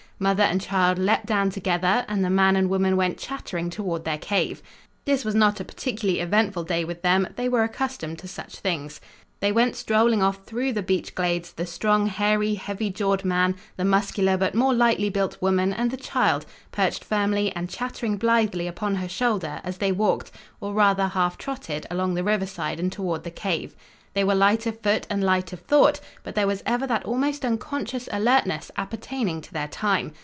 Mother and child leaped down together, and the man and woman went chattering toward their cave. This was not a particularly eventful day with them; they were accustomed to such things. They went strolling off through the beech glades, the strong, hairy, heavy jawed man, the muscular but more lightly built woman and the child, perched firmly and chattering blithely upon her shoulder as they walked, or, rather, half trotted along the river side and toward the cave. They were light of foot and light of thought, but there was ever that almost unconscious alertness appertaining to their time.